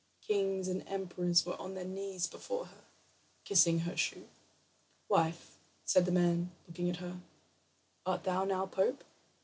Kings and emperors were on their knees before her, kissing her shoe. "Wife," said the man, looking at her, "art thou now pope?"